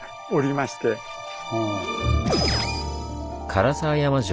唐沢山城